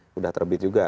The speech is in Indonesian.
sudah terbit juga